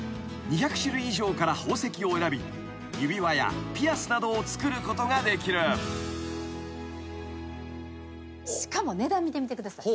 ［２００種類以上から宝石を選び指輪やピアスなどを作ることができる］しかも。